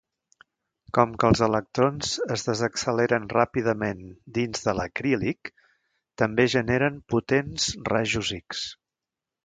Com que els electrons es desacceleren ràpidament dins de l'acrílic, també generen potents rajos X.